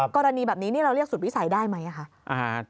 กรณีแบบนี้นี่เราเรียกสุดวิสัยได้ไหมคะ